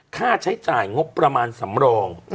ค่าใช้จ่ายงบประมาณสำรอง